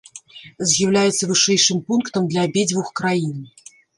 З'яўляецца вышэйшым пунктам для абедзвюх краін.